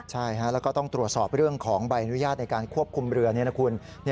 ใช่แล้วก็ต้องตรวจสอบเรื่องของใบอนุญาตในการควบคุมเรือนี่นะคุณ